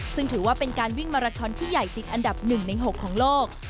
ซึ่งถือว่าเป็นการวิ่งมาราทอนที่ใหญ่ติดอันดับ๑ใน๖ของโลก